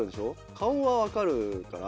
顔は分かるから。